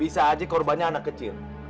bisa aja korbannya anak kecil